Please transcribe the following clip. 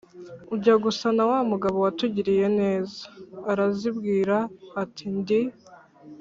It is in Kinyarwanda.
ujya gusa na wa mugabo watugiriye neza?" arazibwira ati: "ndi